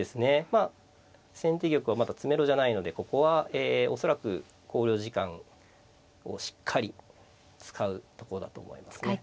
まあ先手玉はまだ詰めろじゃないのでここはえ恐らく考慮時間をしっかり使うとこだと思いますね。